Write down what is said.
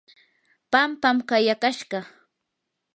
pampam kayakashqa.